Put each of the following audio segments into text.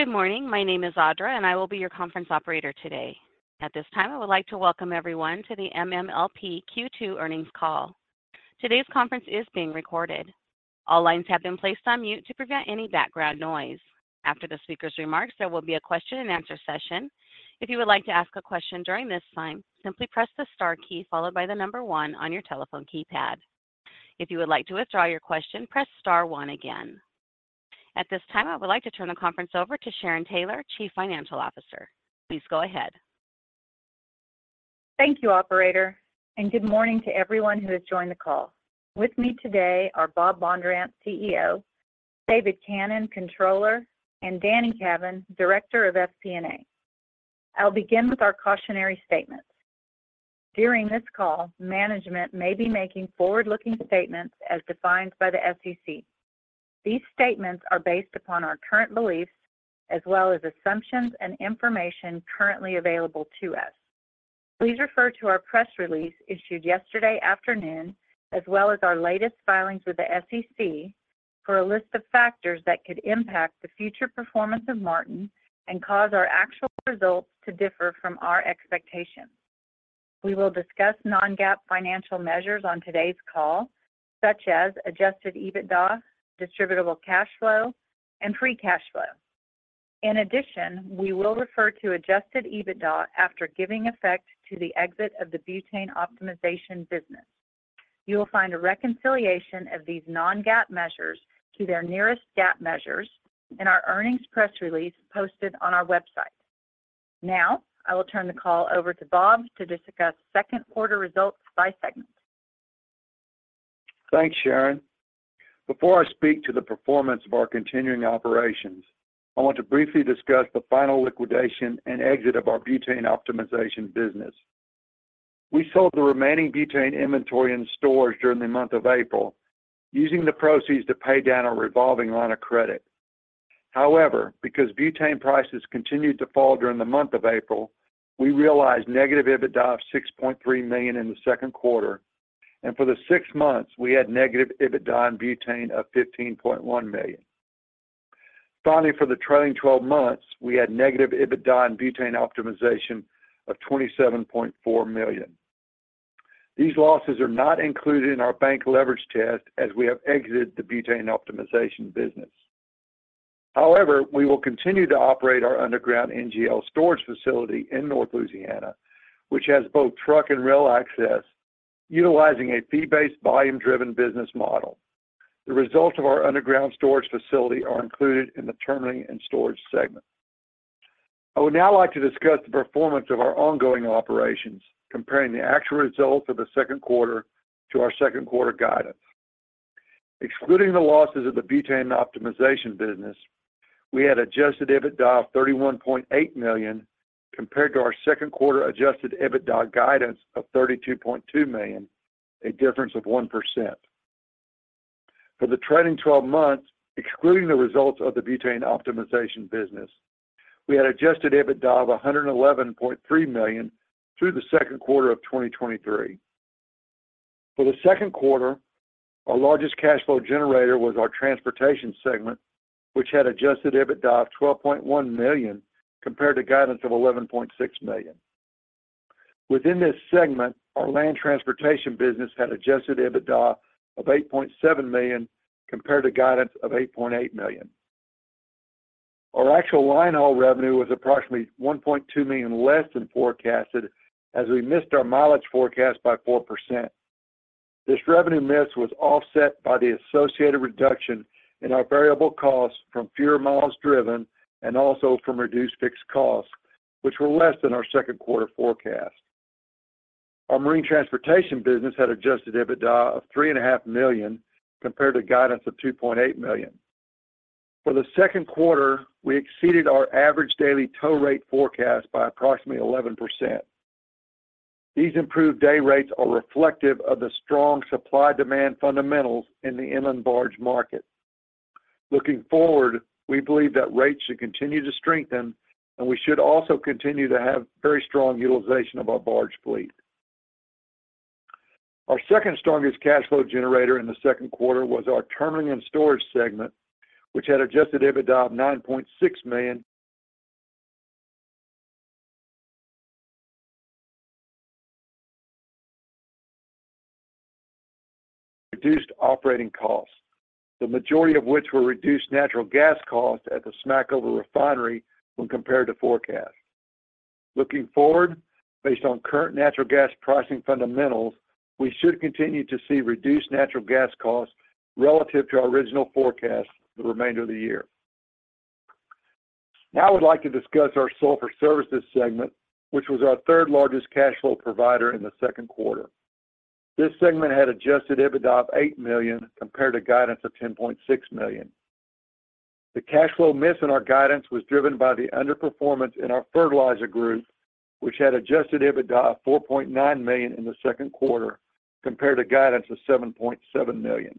Good morning. My name is Audra. I will be your conference operator today. At this time, I would like to welcome everyone to the MMLP Q2 Earnings Call. Today's conference is being recorded. All lines have been placed on mute to prevent any background noise. After the speaker's remarks, there will be a question and answer session. If you would like to ask a question during this time, simply press the star key followed by one on your telephone keypad. If you would like to withdraw your question, press star 1 again. At this time, I would like to turn the conference over to Sharon Taylor, Chief Financial Officer. Please go ahead. Thank you, operator, and good morning to everyone who has joined the call. With me today are Bob Bondurant, CEO; David Cannon, Controller; and Danny Cavin, Director of FP&A. I'll begin with our cautionary statements. During this call, management may be making forward-looking statements as defined by the SEC. These statements are based upon our current beliefs, as well as assumptions and information currently available to us. Please refer to our press release issued yesterday afternoon, as well as our latest filings with the SEC for a list of factors that could impact the future performance of Martin and cause our actual results to differ from our expectations. We will discuss non-GAAP financial measures on today's call, such as adjusted EBITDA, distributable cash flow, and free cash flow. In addition, we will refer to adjusted EBITDA after giving effect to the exit of the butane optimization business. You will find a reconciliation of these non-GAAP measures to their nearest GAAP measures in our earnings press release posted on our website. I will turn the call over to Bob to discuss second quarter results by segment. Thanks, Sharon. Before I speak to the performance of our continuing operations, I want to briefly discuss the final liquidation and exit of our butane optimization business. We sold the remaining butane inventory in stores during the month of April, using the proceeds to pay down our revolving line of credit. However, because butane prices continued to fall during the month of April, we realized negative EBITDA of $6.3 million in the second quarter, and for the six months, we had negative EBITDA in butane of $15.1 million. Finally, for the trailing 12 months, we had negative EBITDA in butane optimization of $27.4 million. These losses are not included in our bank leverage test as we have exited the butane optimization business. However, we will continue to operate our underground NGL storage facility in North Louisiana, which has both truck and rail access, utilizing a fee-based, volume-driven business model. The results of our underground storage facility are included in the terminalling and storage segment. I would now like to discuss the performance of our ongoing operations, comparing the actual results of the second quarter to our second quarter guidance. Excluding the losses of the butane optimization business, we had adjusted EBITDA of $31.8 million, compared to our second quarter adjusted EBITDA guidance of $32.2 million, a difference of 1%. For the trailing 12 months, excluding the results of the butane optimization business, we had adjusted EBITDA of $111.3 million through the second quarter of 2023. For the second quarter, our largest cash flow generator was our transportation segment, which had adjusted EBITDA of $12.1 million, compared to guidance of $11.6 million. Within this segment, our land transportation business had adjusted EBITDA of $8.7 million, compared to guidance of $8.8 million. Our actual line haul revenue was approximately $1.2 million less than forecasted as we missed our mileage forecast by 4%. This revenue miss was offset by the associated reduction in our variable costs from fewer miles driven and also from reduced fixed costs, which were less than our second quarter forecast. Our marine transportation business had adjusted EBITDA of three and a half million, compared to guidance of $2.8 million. For the second quarter, we exceeded our average daily tow rate forecast by approximately 11%. These improved day rates are reflective of the strong supply-demand fundamentals in the inland barge market. Looking forward, we believe that rates should continue to strengthen, and we should also continue to have very strong utilization of our barge fleet. Our second strongest cash flow generator in the second quarter was our terminalling and storage segment, which had adjusted EBITDA of $9.6 million. Reduced operating costs, the majority of which were reduced natural gas costs at the Smackover Refinery when compared to forecast. Looking forward, based on current natural gas pricing fundamentals, we should continue to see reduced natural gas costs relative to our original forecast for the remainder of the year. Now, I would like to discuss our sulfur services segment, which was our third-largest cash flow provider in the second quarter. This segment had adjusted EBITDA of $8 million, compared to guidance of $10.6 million. The cash flow miss in our guidance was driven by the underperformance in our fertilizer group, which had adjusted EBITDA of $4.9 million in the second quarter, compared to guidance of $7.7 million.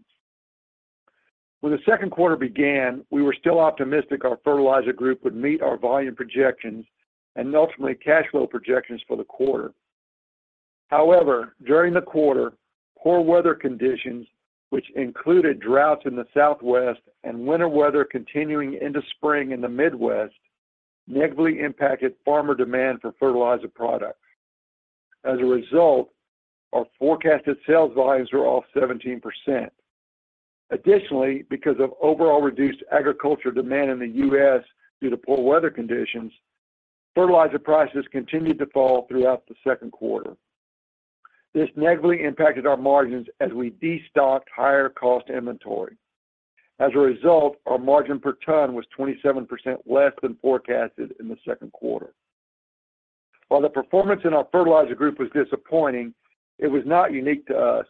When the second quarter began, we were still optimistic our fertilizer group would meet our volume projections and ultimately cash flow projections for the quarter. However, during the quarter, poor weather conditions, which included droughts in the Southwest and winter weather continuing into spring in the Midwest, negatively impacted farmer demand for fertilizer products. As a result, our forecasted sales volumes were off 17%. Additionally, because of overall reduced agriculture demand in the U.S. due to poor weather conditions, fertilizer prices continued to fall throughout the second quarter. This negatively impacted our margins as we destocked higher cost inventory. Our margin per ton was 27% less than forecasted in the second quarter. While the performance in our fertilizer group was disappointing, it was not unique to us.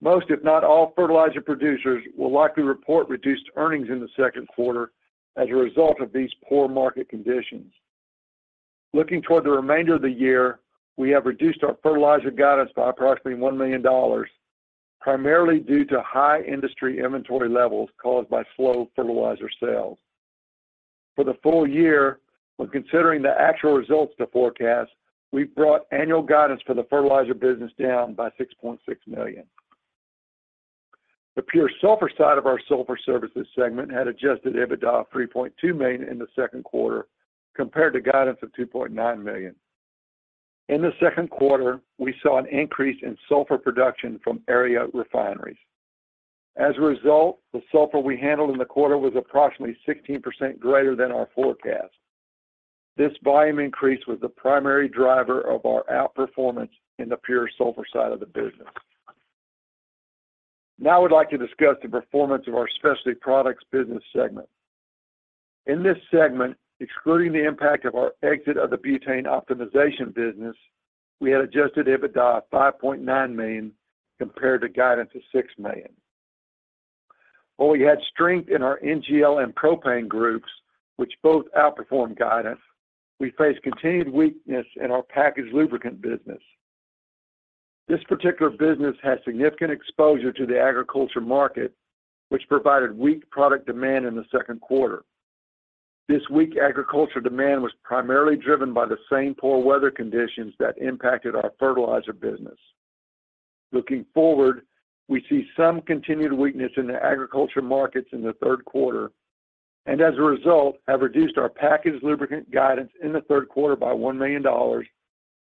Most, if not all, fertilizer producers will likely report reduced earnings in the second quarter as a result of these poor market conditions. Looking toward the remainder of the year, we have reduced our fertilizer guidance by approximately $1 million, primarily due to high industry inventory levels caused by slow fertilizer sales. For the full year, when considering the actual results to forecast, we've brought annual guidance for the fertilizer business down by $6.6 million. The pure sulfur side of our sulfur services segment had adjusted EBITDA of $3.2 million in the second quarter, compared to guidance of $2.9 million. In the second quarter, we saw an increase in sulfur production from area refineries. As a result, the sulfur we handled in the quarter was approximately 16% greater than our forecast. This volume increase was the primary driver of our outperformance in the pure sulfur side of the business. I'd like to discuss the performance of our specialty products business segment. In this segment, excluding the impact of our exit of the butane optimization business, we had adjusted EBITDA of $5.9 million, compared to guidance of $6 million. We had strength in our NGL and propane groups, which both outperformed guidance, we faced continued weakness in our packaged lubricant business. This particular business has significant exposure to the agriculture market, which provided weak product demand in the second quarter. This weak agriculture demand was primarily driven by the same poor weather conditions that impacted our fertilizer business. Looking forward, we see some continued weakness in the agriculture markets in the third quarter, and as a result, have reduced our packaged lubricant guidance in the third quarter by $1 million or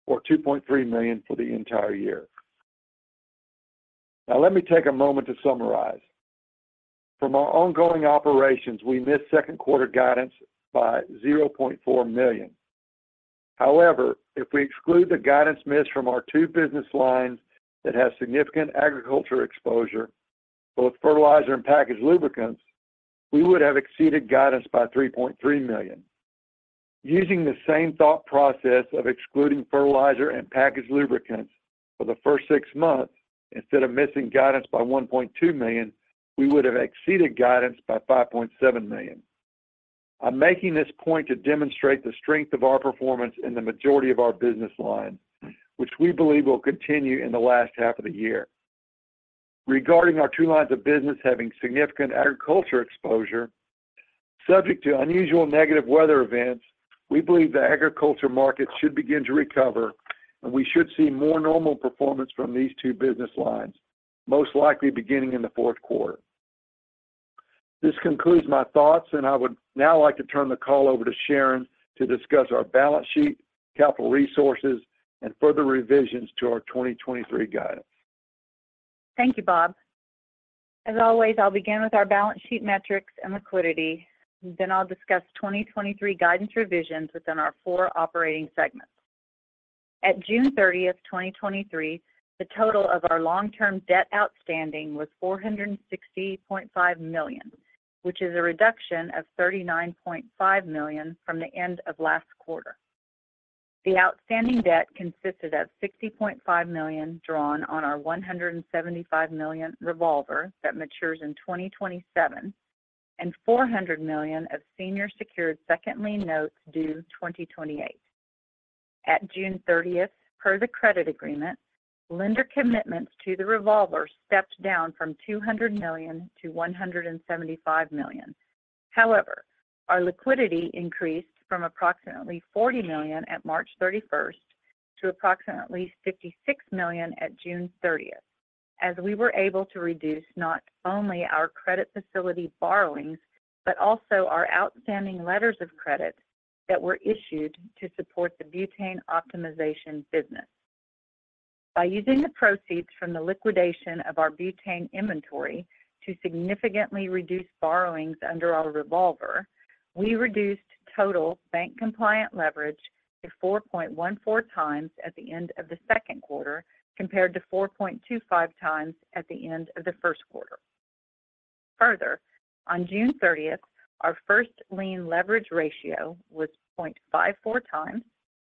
$2.3 million for the entire year. Now, let me take a moment to summarize. From our ongoing operations, we missed second quarter guidance by $0.4 million. However, if we exclude the guidance missed from our two business lines that have significant agriculture exposure, both fertilizer and packaged lubricants, we would have exceeded guidance by $3.3 million. Using the same thought process of excluding fertilizer and packaged lubricants for the first six months, instead of missing guidance by $1.2 million, we would have exceeded guidance by $5.7 million. I'm making this point to demonstrate the strength of our performance in the majority of our business lines, which we believe will continue in the last half of the year. Regarding our two lines of business having significant agriculture exposure, subject to unusual negative weather events, we believe the agriculture market should begin to recover, and we should see more normal performance from these two business lines, most likely beginning in the fourth quarter. This concludes my thoughts, and I would now like to turn the call over to Sharon to discuss our balance sheet, capital resources, and further revisions to our 2023 guidance. Thank you, Bob. As always, I'll begin with our balance sheet metrics and liquidity. I'll discuss 2023 guidance revisions within our four operating segments. At June thirtieth, 2023, the total of our long-term debt outstanding was $460.5 million, which is a reduction of $39.5 million from the end of last quarter. The outstanding debt consisted of $60.5 million drawn on our $175 million revolver that matures in 2027, and $400 million of senior secured second lien notes due 2028. At June thirtieth, per the credit agreement, lender commitments to the revolver stepped down from $200 million to $175 million. Our liquidity increased from approximately $40 million at March 31st to approximately $56 million at June 30th, as we were able to reduce not only our credit facility borrowings, but also our outstanding letters of credit that were issued to support the butane optimization business. By using the proceeds from the liquidation of our butane inventory to significantly reduce borrowings under our revolver, we reduced total bank compliant leverage to 4.14x at the end of the second quarter, compared to 4.25x at the end of the first quarter. On June 30th, our first lien leverage ratio was 0.54x,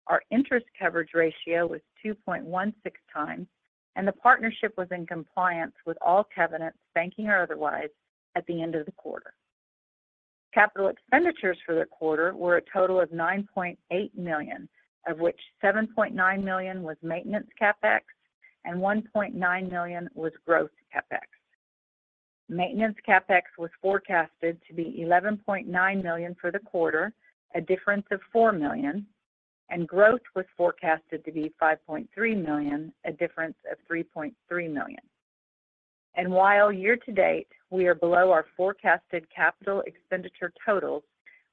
our interest coverage ratio was 2.16x, and the partnership was in compliance with all covenants, banking or otherwise, at the end of the quarter. Capital expenditures for the quarter were a total of $9.8 million, of which $7.9 million was maintenance CapEx and $1.9 million was growth CapEx. Maintenance CapEx was forecasted to be $11.9 million for the quarter, a difference of $4 million, and growth was forecasted to be $5.3 million, a difference of $3.3 million. While year-to-date, we are below our forecasted capital expenditure totals,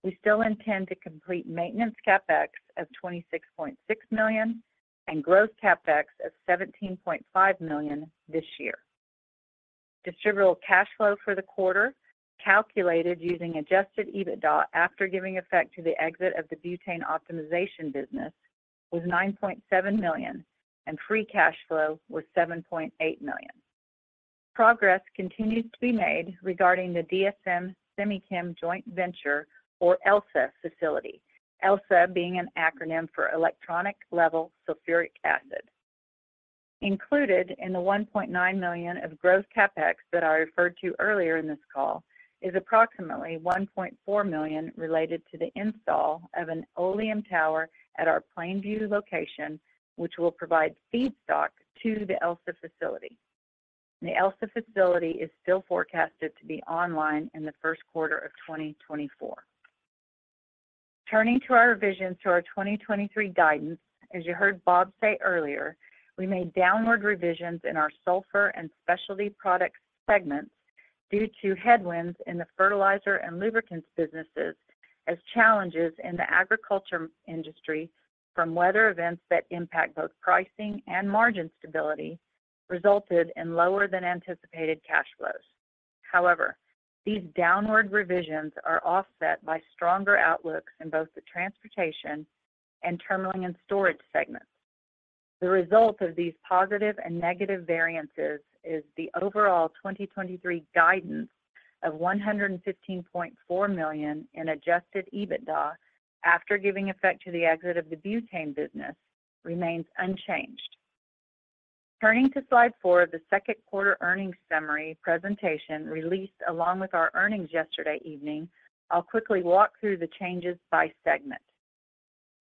we still intend to complete maintenance CapEx of $26.6 million and growth CapEx of $17.5 million this year. Distributable cash flow for the quarter, calculated using adjusted EBITDA after giving effect to the exit of the butane optimization business, was $9.7 million, and free cash flow was $7.8 million. Progress continues to be made regarding the DSM Semichem joint venture or ELSA facility. ELSA being an acronym for electronic level sulfuric acid. Included in the $1.9 million of gross CapEx that I referred to earlier in this call, is approximately $1.4 million related to the install of an oleum tower at our Plainview location, which will provide feedstock to the ELSA facility. The ELSA facility is still forecasted to be online in the first quarter of 2024. Turning to our revisions to our 2023 guidance, as you heard Bob say earlier, we made downward revisions in our sulfur and specialty product segments due to headwinds in the fertilizer and lubricants businesses, as challenges in the agriculture industry from weather events that impact both pricing and margin stability resulted in lower than anticipated cash flows. These downward revisions are offset by stronger outlooks in both the transportation and terminalling and storage segments. The result of these positive and negative variances is the overall 2023 guidance of $115.4 million in adjusted EBITDA, after giving effect to the exit of the butane business, remains unchanged. Turning to slide four of the second quarter earnings summary presentation, released along with our earnings yesterday evening, I'll quickly walk through the changes by segment.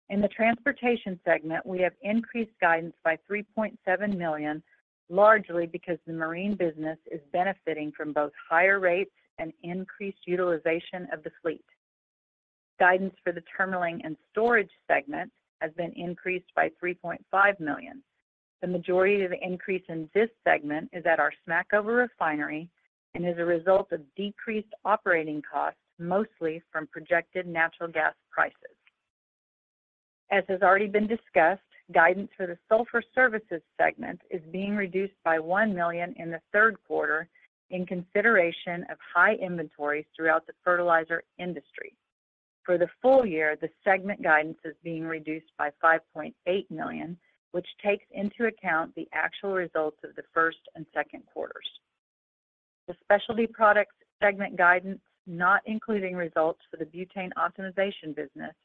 In the transportation segment, we have increased guidance by $3.7 million, largely because the marine business is benefiting from both higher rates and increased utilization of the fleet. Guidance for the terminalling and storage segment has been increased by $3.5 million. The majority of the increase in this segment is at our Smackover refinery and is a result of decreased operating costs, mostly from projected natural gas prices. As has already been discussed, guidance for the sulfur services segment is being reduced by $1 million in the third quarter in consideration of high inventories throughout the fertilizer industry. For the full year, the segment guidance is being reduced by $5.8 million, which takes into account the actual results of the first and second quarters. The specialty products segment guidance, not including results for the butane optimization business,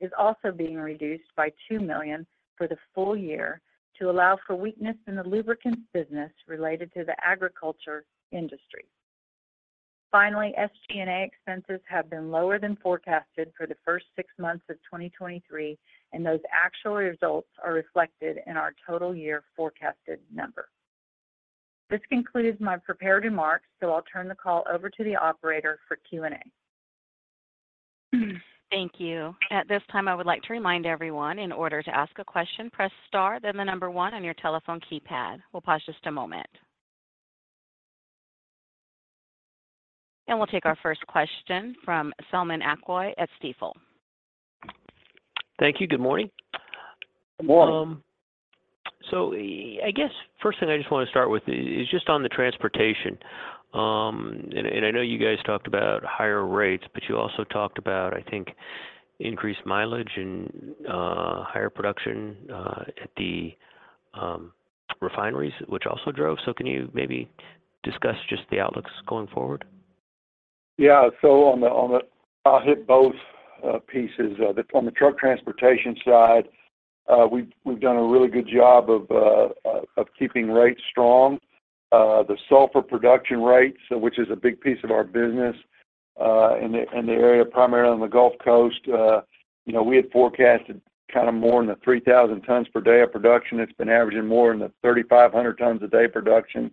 is also being reduced by $2 million for the full year to allow for weakness in the lubricants business related to the agriculture industry. Finally, SG&A expenses have been lower than forecasted for the first six months of 2023, and those actual results are reflected in our total year forecasted number. This concludes my prepared remarks. I'll turn the call over to the operator for Q&A. Thank you. At this time, I would like to remind everyone, in order to ask a question, press star, then the number one on your telephone keypad. We'll pause just a moment. We'll take our first question from Selman Akyol at Stifel. Thank you. Good morning. Good morning. I guess first thing I just want to start with is just on the transportation. I know you guys talked about higher rates, but you also talked about, I think, increased mileage and higher production at the refineries, which also drove. Can you maybe discuss just the outlooks going forward? On the, on the.. I'll hit both pieces. On the truck transportation side, we've done a really good job of keeping rates strong. The sulfur production rates, which is a big piece of our business, in the area, primarily on the Gulf Coast, you know, we had forecasted kind of more than the 3,000 tons per day of production. It's been averaging more than the 3,500 tons a day production.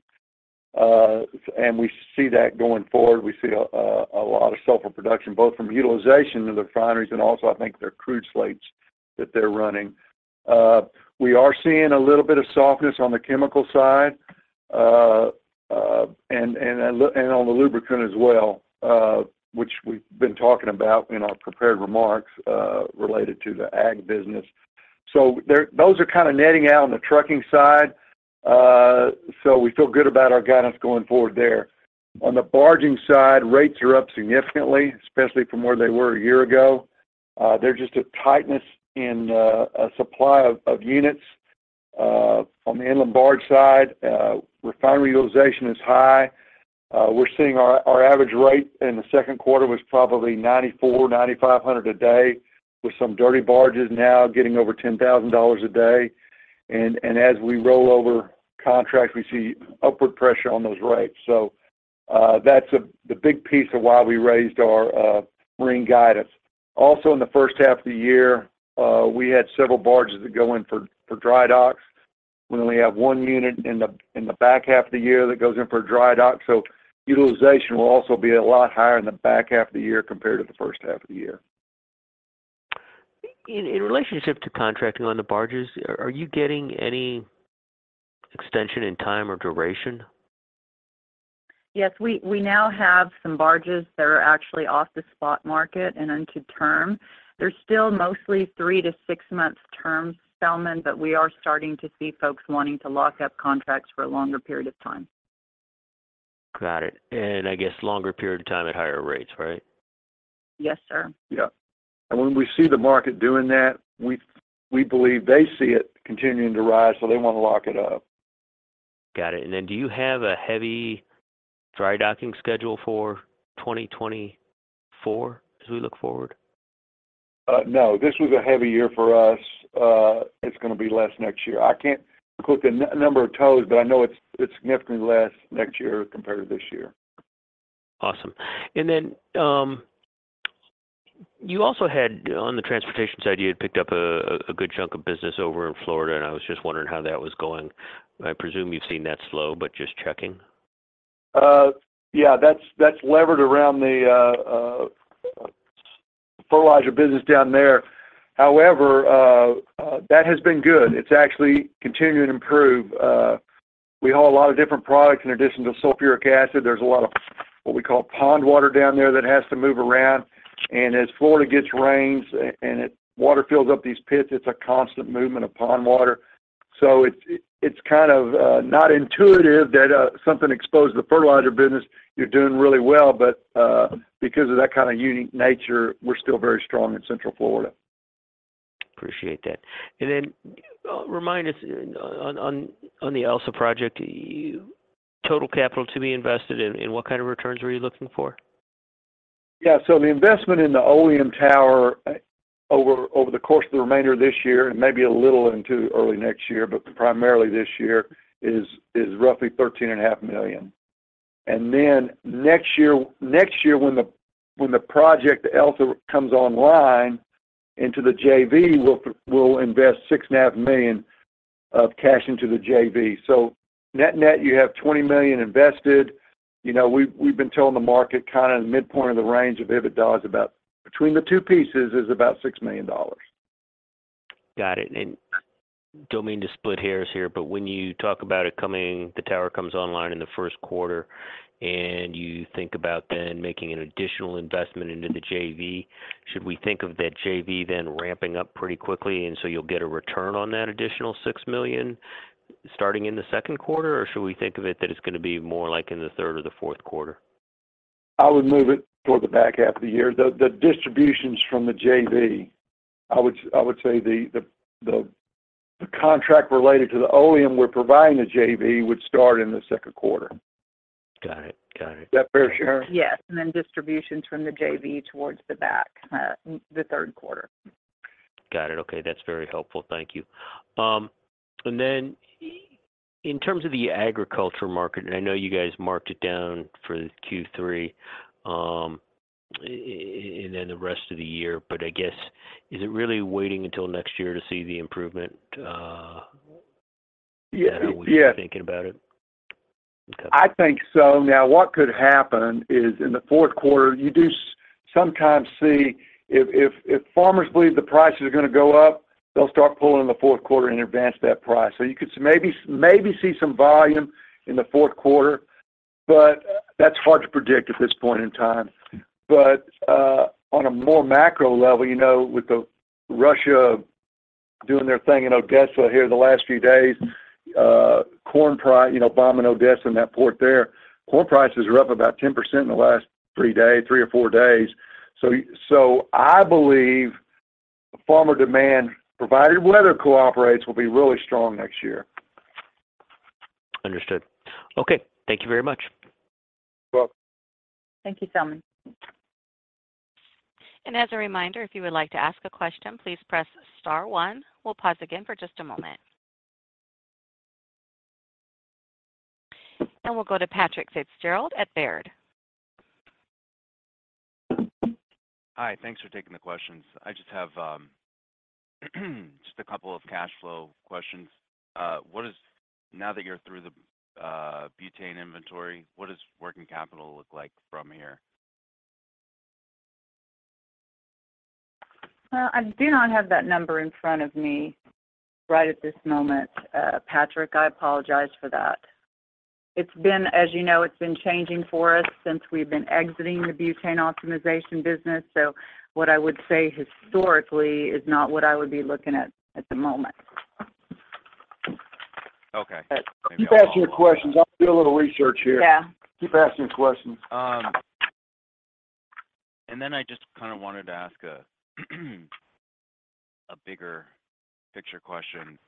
We see that going forward. We see a lot of sulfur production, both from utilization of the refineries and also, I think, their crude slates that they're running. We are seeing a little bit of softness on the chemical side, and on the lubricant as well, which we've been talking about in our prepared remarks, related to the ag business. Those are kind of netting out on the trucking side. We feel good about our guidance going forward there. On the barging side, rates are up significantly, especially from where they were a year ago. There's just a tightness in supply of units. On the inland barge side, refinery utilization is high. We're seeing our average rate in the second quarter was probably 9,400-9,500 a day, with some dirty barges now getting over $10,000 a day. As we roll over contracts, we see upward pressure on those rates. That's the big piece of why we raised our marine guidance. Also, in the first half of the year, we had several barges that go in for dry docks. We only have one unit in the back half of the year that goes in for a dry dock. Utilization will also be a lot higher in the back half of the year compared to the first half of the year. In relationship to contracting on the barges, are you getting any extension in time or duration? Yes. We now have some barges that are actually off the spot market and into term. They're still mostly three to six-month term settlements. We are starting to see folks wanting to lock up contracts for a longer period of time. Got it. I guess longer period of time at higher rates, right? Yes, sir. Yeah. When we see the market doing that, we believe they see it continuing to rise, so they wanna lock it up. Got it. Do you have a heavy dry docking schedule for 2024 as we look forward? No. This was a heavy year for us. It's gonna be less next year. I can't quote the number of tows, but I know it's significantly less next year compared to this year. Awesome. You also had, on the transportation side, you had picked up a good chunk of business over in Florida, and I was just wondering how that was going. I presume you've seen that slow, but just checking. Yeah, that's levered around the fertilizer business down there. That has been good. It's actually continuing to improve. We haul a lot of different products in addition to sulfuric acid. There's a lot of what we call pond water down there that has to move around, and as Florida gets rains water fills up these pits, it's a constant movement of pond water. It's kind of not intuitive that something exposed to the fertilizer business, you're doing really well, but because of that kind of unique nature, we're still very strong in Central Florida. Appreciate that. Remind us on the ELSA project, total capital to be invested and, what kind of returns are you looking for? Yeah. The investment in the Oleum tower over the course of the remainder of this year, and maybe a little into early next year, but primarily this year, is roughly thirteen and a half million dollars. Next year, when the project, ELSA, comes online into the JV, we'll invest six and a half million dollars of cash into the JV. Net-net, you have $20 million invested. You know, we've been telling the market kind of in the midpoint of the range of EBITDA. Between the two pieces is about $6 million. Got it. Don't mean to split hairs here, but when you talk about it coming, the oleum tower comes online in the first quarter, and you think about then making an additional investment into the JV, should we think of that JV then ramping up pretty quickly, and so you'll get a return on that additional $6 million starting in the second quarter? Or should we think of it that it's going to be more like in the third or the fourth quarter? I would move it toward the back half of the year. The distributions from the JV, I would say the contract related to the Oleum we're providing the JV would start in the second quarter. Got it. Got it. Is that fair, Sharon? Yes, then distributions from the JV towards the back, the third quarter. Got it. Okay, that's very helpful. Thank you. Then in terms of the agriculture market, I know you guys marked it down for the Q3, and then the rest of the year, but I guess, is it really waiting until next year to see the improvement, is that how we- Yeah Should be thinking about it? Okay. I think so. What could happen is, in the fourth quarter, you do sometimes see if farmers believe the price is gonna go up, they'll start pulling in the fourth quarter and advance that price. You could maybe see some volume in the fourth quarter, but that's hard to predict at this point in time. On a more macro level, you know, with Russia doing their thing in Odessa here the last few days, you know, bombing Odessa and that port there, corn prices are up about 10% in the last three days, three or four days. I believe farmer demand, provided weather cooperates, will be really strong next year. Understood. Okay. Thank you very much. You're welcome. Thank you, Selman. As a reminder, if you would like to ask a question, please press star one. We'll pause again for just a moment. We'll go to Patrick Fitzgerald at Baird. Hi. Thanks for taking the questions. I just have just a couple of cash flow questions. Now that you're through the butane inventory, what does working capital look like from here? I do not have that number in front of me right at this moment, Patrick. I apologize for that. It's been, as you know, it's been changing for us since we've been exiting the butane optimization business, so what I would say historically is not what I would be looking at at the moment. Okay. Keep asking your questions. I'll do a little research here. Yeah. Keep asking questions. I just kind of wanted to ask a bigger picture question.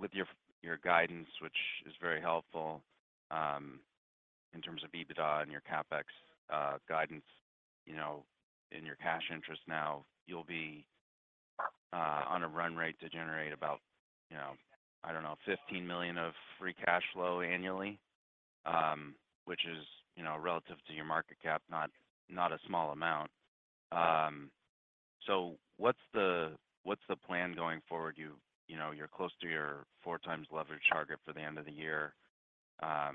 With your guidance, which is very helpful, in terms of EBITDA and your CapEx guidance, in your cash interest now, you'll be on a run rate to generate about $15 million of free cash flow annually? Which is relative to your market cap, not a small amount. What's the plan going forward? You're close to your 4x leverage target for the end of the year. Are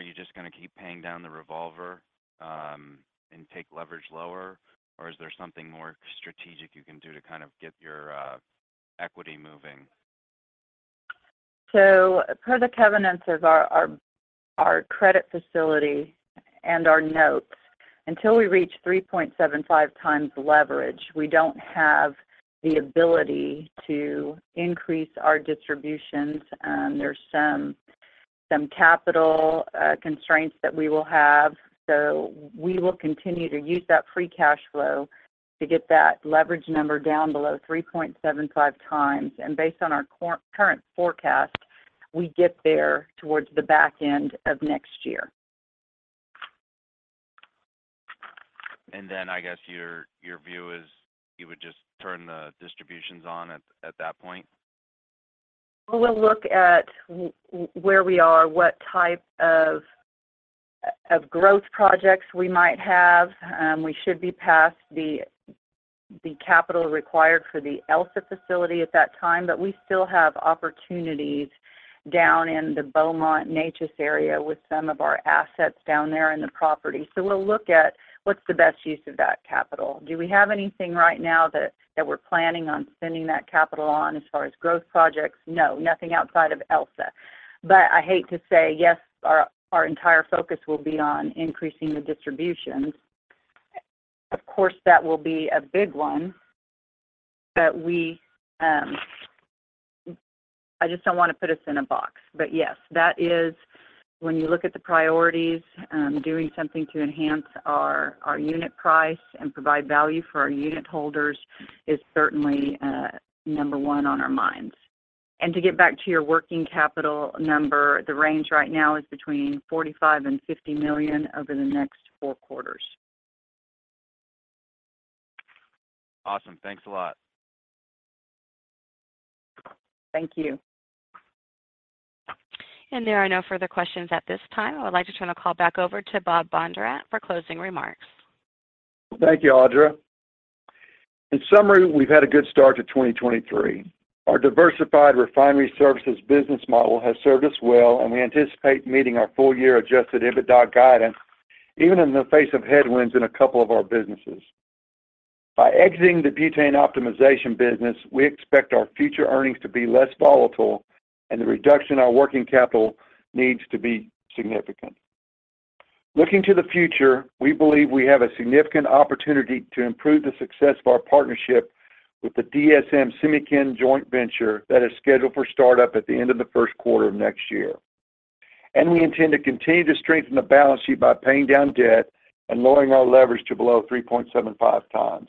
you just gonna keep paying down the revolver and take leverage lower? Is there something more strategic you can do to kind of get your equity moving? Per the covenants of our credit facility and our notes, until we reach 3.75x leverage, we don't have the ability to increase our distributions. There's some capital constraints that we will have. We will continue to use that free cash flow to get that leverage number down below 3.75x. Based on our current forecast, we get there towards the back end of next year. I guess your view is you would just turn the distributions on at that point? We'll look at where we are, what type of growth projects we might have. We should be past the capital required for the ELSA facility at that time, but we still have opportunities down in the Beaumont, Natchez area with some of our assets down there in the property. We'll look at what's the best use of that capital. Do we have anything right now that we're planning on spending that capital on as far as growth projects? No, nothing outside of ELSA. I hate to say, yes, our entire focus will be on increasing the distributions. Of course, that will be a big one, we... I just don't want to put us in a box. Yes, that is when you look at the priorities, doing something to enhance our unit price and provide value for our unit holders is certainly number one on our minds. To get back to your working capital number, the range right now is between $45 million-$50 million over the next four quarters. Awesome. Thanks a lot. Thank you. There are no further questions at this time. I would like to turn the call back over to Bob Bondurant for closing remarks. Thank you, Audra. In summary, we've had a good start to 2023. Our diversified refinery services business model has served us well, and we anticipate meeting our full-year adjusted EBITDA guidance, even in the face of headwinds in a couple of our businesses. By exiting the butane optimization business, we expect our future earnings to be less volatile and the reduction in our working capital needs to be significant. Looking to the future, we believe we have a significant opportunity to improve the success of our partnership with the DSM Semichem joint venture that is scheduled for startup at the end of the first quarter of next year. We intend to continue to strengthen the balance sheet by paying down debt and lowering our leverage to below 3.75x.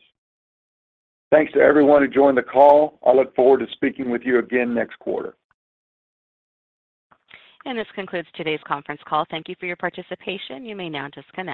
Thanks to everyone who joined the call. I look forward to speaking with you again next quarter. This concludes today's conference call. Thank you for your participation. You may now disconnect.